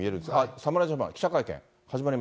侍ジャパン、記者会見、始まり